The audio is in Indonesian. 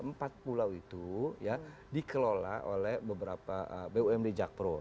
empat pulau itu ya dikelola oleh beberapa bumd jakpro